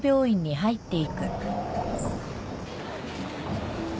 はい。